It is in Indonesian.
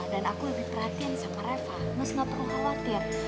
dan aku lebih perhatian sama reva mas gak perlu khawatir